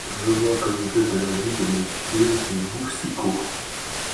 Je vois que vous êtes de l’avis de monsieur de Boucicaut.